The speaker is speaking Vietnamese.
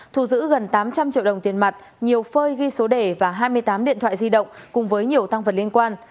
thu giữ gần tám trăm linh triệu đồng tiền mặt nhiều phơi ghi số đề và hai mươi tám điện thoại di động cùng với nhiều tăng vật liên quan